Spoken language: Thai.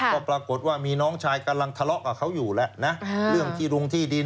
ก็ปรากฏว่ามีน้องชายกำลังทะเลาะกับเขาอยู่แล้วนะเรื่องที่รุงที่ดิน